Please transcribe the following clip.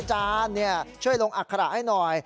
อาจารย์ช่วยลงอัคระให้หน่อย